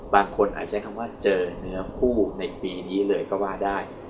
บางคนอาจใช้คำว่าเจอเนื้อคู่ในปีนี้เลยก็ว่าได้